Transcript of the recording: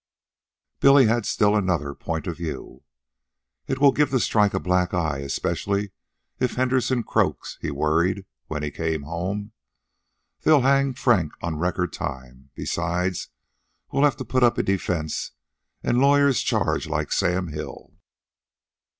Billy had still another point of view. "It will give the strike a black eye, especially if Henderson croaks," he worried, when he came home. "They'll hang Frank on record time. Besides, we'll have to put up a defense, an' lawyers charge like Sam Hill.